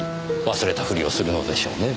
忘れたふりをするのでしょうねえ？